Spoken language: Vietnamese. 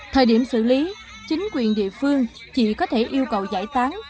thời điểm xử lý chính quyền địa phương chỉ có thể yêu cầu giải tán